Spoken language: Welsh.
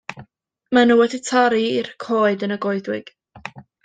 Mae nhw wedi torri'r coed yn y goedwig.